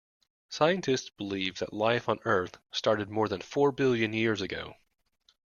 Scientists believe that life on Earth started more than four billion years ago